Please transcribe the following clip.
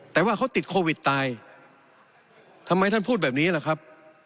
แต่ว่าเขาติดโควิดตายทำไมท่านพูดแบบนี้ล่ะครับ